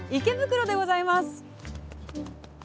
池袋でございます。